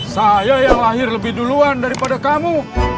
saya yang lahir lebih duluan daripada kamu